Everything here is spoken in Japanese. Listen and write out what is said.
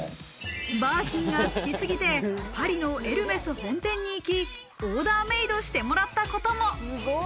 バーキンが好きすぎてパリのエルメス本店に行き、オーダーメードしてもらったことも。